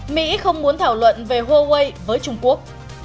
mỹ không muốn thảo luận về huawei với trung quốc